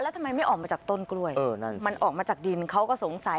แล้วทำไมไม่ออกมาจากต้นกล้วยเออนั่นมันออกมาจากดินเขาก็สงสัย